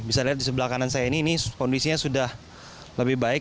bisa dilihat di sebelah kanan saya ini kondisinya sudah lebih baik